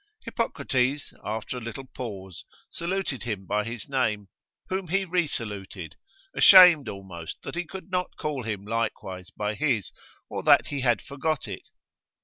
Hippocrates, after a little pause, saluted him by his name, whom he resaluted, ashamed almost that he could not call him likewise by his, or that he had forgot it.